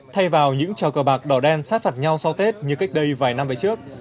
thay vào những trò cờ bạc đỏ đen sát phạt nhau sau tết như cách đây vài năm về trước